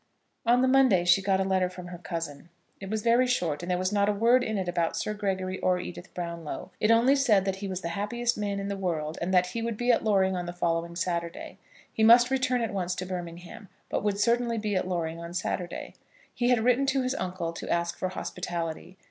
On the Monday she got a letter from her cousin. It was very short, and there was not a word in it about Sir Gregory or Edith Brownlow. It only said that he was the happiest man in the world, and that he would be at Loring on the following Saturday. He must return at once to Birmingham, but would certainly be at Loring on Saturday. He had written to his uncle to ask for hospitality.